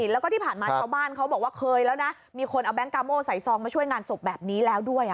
แล้วก็ผ่านมาเช้าบ้านเคยล่ะนะมีคนเอาแบงกาโม่ใส่ซองมาช่วยงานศพแบบนี้แล้วด้วย